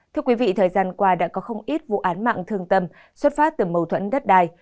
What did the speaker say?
thưa quý vị thời gian qua đã có không ít vụ án mạng thương tâm xuất phát từ mâu thuẫn đất đai